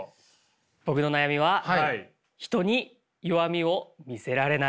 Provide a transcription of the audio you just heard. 僕の悩みは人に弱みを見せられない。